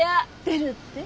出るって？